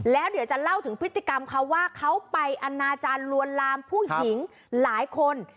แล้วเดี๋ยวจะเล่าถึงพฤติกรรมเขาว่าเขาไปอนาจารย์ลวนลามผู้หญิงหลายคน